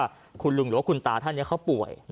เนื่องจากว่าคุณลุงหรือว่าคุณตาท่านเนี่ยเขาป่วย